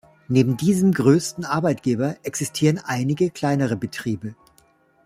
Neben diesem größten Arbeitgeber existieren einige kleinere Betriebe.